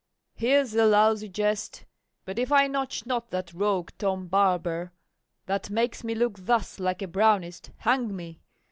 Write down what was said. Here's a lousy jest! but, if I notch not that rogue Tom barber, that makes me look thus like a Brownist, hang me!